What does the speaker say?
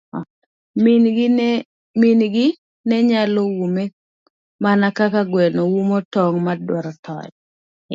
Min gi nenyalo ume mana kaka gweno umo tong' ma odwaro toyo.